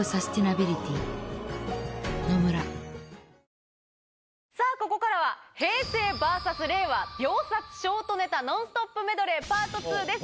見学会やりますさあ、ここからは、平成ＶＳ令和、秒殺ショートネタノンストップメドレー、ＰＡＲＴ２です。